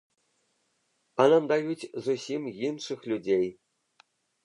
А нам даюць зусім іншых людзей.